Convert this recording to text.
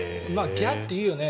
ギャッて言うよね